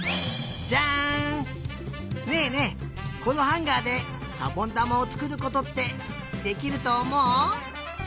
このハンガーでしゃぼんだまをつくることってできるとおもう？